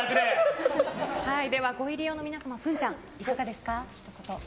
ご入り用の皆様ふんちゃん、いかがですか。